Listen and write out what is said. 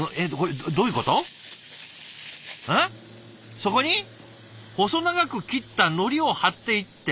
そこに細長く切ったのりを貼っていって。